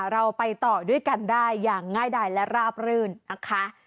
เราไปต่อด้วยกันได้อย่างง่ายดายและราบรื่นนะคะ